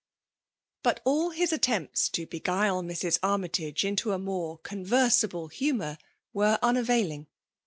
But all his attempts to beguile Mrs. Army tage into a more conversible humour were unavailing.